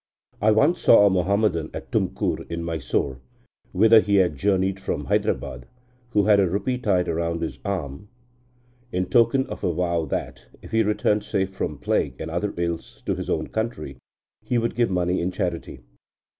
I once saw a Muhammadan at Tumkur in Mysore, whither he had journeyed from Hyderabad, who had a rupee tied round his arm in token of a vow that, if he returned safe from plague and other ills to his own country, he would give money in charity.